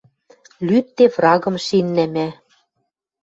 Лӱдде врагым шиннӓ мӓ.